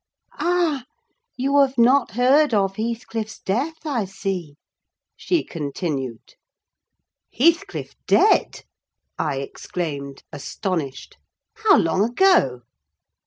"Ah! you have not heard of Heathcliff's death, I see," she continued. "Heathcliff dead!" I exclaimed, astonished. "How long ago?"